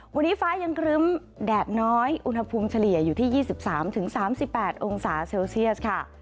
วันนี้ฟ้ายังครึ้มแดดน้อยอุณหภูมิเฉลี่ยอยู่ที่๒๓๓๘องศาเซลเซียสค่ะ